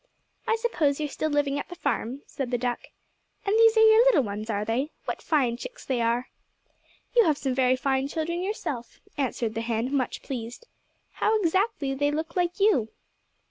"I suppose you're still living at the farm," said the duck. "And these are your little ones, are they? What fine chicks they are." "You have some fine children, yourself," answered the hen, much pleased. "How exactly they look like you."